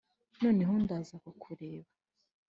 noneho ndaza kukureba